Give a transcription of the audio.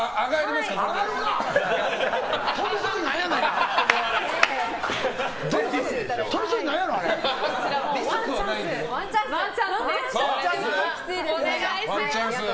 では、お願いします。